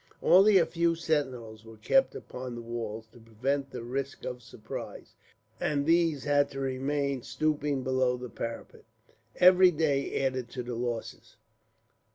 Only a few sentinels were kept upon the walls, to prevent the risk of surprise, and these had to remain stooping below the parapet. Every day added to the losses.